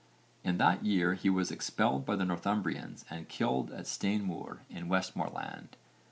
In that year he was expelled by the Northumbrians and killed at Stainmoor in Westmorland.